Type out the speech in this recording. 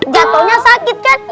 jatuhnya sakit kan